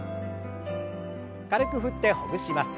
軽く振ってほぐします。